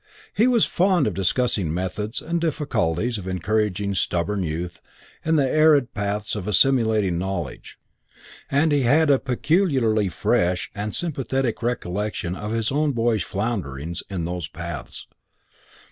He was fond of discussing methods and difficulties of encouraging stubborn youth in the arid paths of assimilating knowledge, and he had a peculiarly fresh and sympathetic recollection of his own boyish flounderings in those paths.